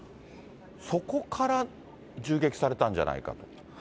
そこから銃撃されたんじゃないかと。